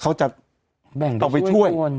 เขาจะเอาไปช่วย